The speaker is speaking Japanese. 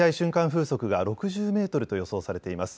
風速が６０メートルと予想されています。